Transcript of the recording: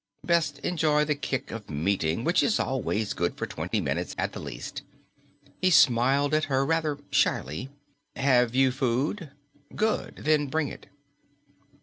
Best enjoy the kick of meeting, which is always good for twenty minutes at the least." He smiled at her rather shyly. "Have you food? Good, then bring it."